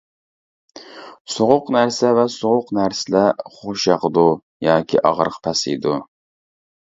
سوغۇق نەرسە ۋە سوغۇق نەرسىلەر خۇشياقىدۇ ياكى ئاغرىق پەسىيىدۇ.